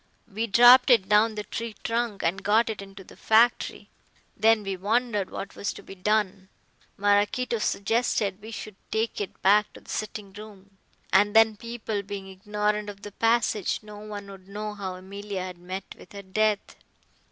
We dropped it down the tree trunk and got it into the factory. Then we wondered what was to be done. Maraquito suggested we should take it back to the sitting room, and then, people being ignorant of the passage, no one would know how Emilia had met with her death.